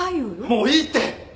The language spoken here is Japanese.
もういいって！